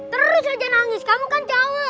terus aja nangis kamu kan cowok